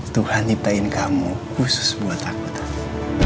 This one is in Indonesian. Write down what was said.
tuhan niptain kamu khusus buat aku tante